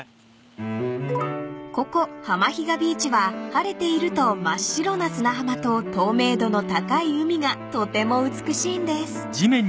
［ここ浜比嘉ビーチは晴れていると真っ白な砂浜と透明度の高い海がとても美しいんです］